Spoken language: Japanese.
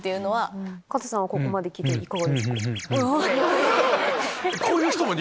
カズさんはここまで聞いていかがですか？